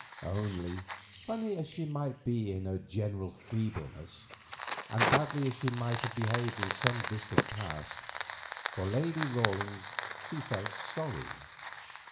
Only, funny as she might be in her general feebleness, and badly as she might have behaved in some distant past, for Lady Rawlins she felt sorry.